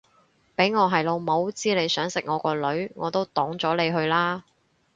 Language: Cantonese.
俾我係老母知你想食我個女我都擋咗你去啦